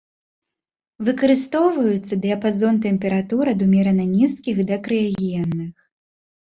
Выкарыстоўваюцца дыяпазон тэмператур ад умерана нізкіх да крыягенных.